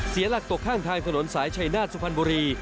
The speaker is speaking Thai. เสียหลักตกข้างทางถนนสายชัยนาฏสุพรรณบุรี